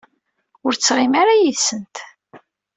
Ur ttɣimiɣ ara yid-sent.